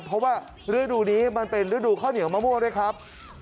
เพราะว่ารื่อยดูดีมันเป็นรื่อยดูข้าวเหนียวมะม่วงด้วยครับ